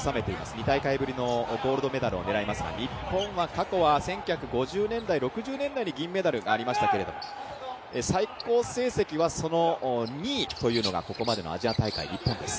２大会ぶりのゴールドメダルを狙いますが、日本は過去は１９５０年代、６０年代に銀メダルがありますけれども最高成績は２位というのがここまでのアジア大会、日本です。